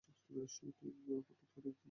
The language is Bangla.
হঠাৎ করে একদিন মা মারা যান।